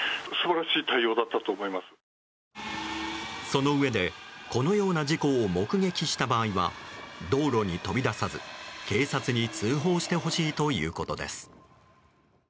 そのうえでこのような事故を目撃した場合は道路に飛び出さず、警察に通報してほしいということです。